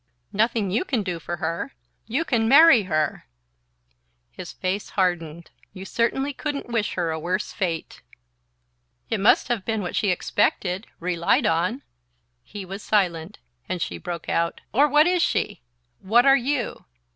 "Nothing you can do for her? You can marry her!" His face hardened. "You certainly couldn't wish her a worse fate!" "It must have been what she expected ... relied on..." He was silent, and she broke out: "Or what is she? What are you?